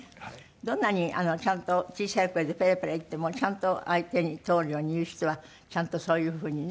どんなにちゃんと小さい声でペラペラ言ってもちゃんと相手に通るように言う人はちゃんとそういうふうにね。